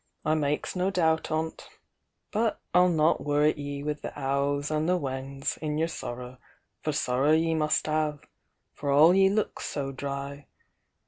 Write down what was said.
I makes no doubt on't! — but I'll not worrit ye with the hows an' the whens in yer sorrer, for sorrer ye must 'ave, for all ye looks so dry.